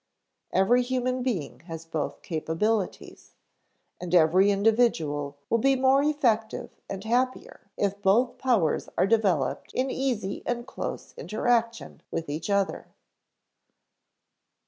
Every human being has both capabilities, and every individual will be more effective and happier if both powers are developed in easy and close interaction with each other.